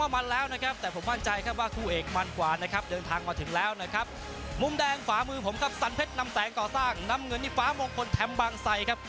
มุมแดงขวามือผมครับสันเพชรนำแสงก่อสร้างน้ำเงินนี่ฟ้ามงคลแถมบางไซครับ